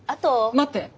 待って。